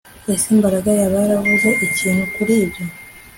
Ese Mbaraga yaba yaravuze ikintu kuri ibyo